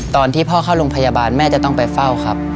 ตอนที่พ่อเข้าโรงพยาบาลแม่จะต้องไปเฝ้าครับ